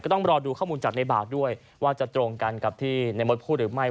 ต้องรอดูข้อมูลจากในบากด้วยว่าจะตรงกันกับที่ในมดพูดหรือไม่